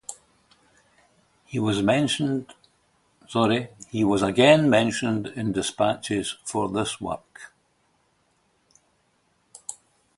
He was again Mentioned in Despatches for this work.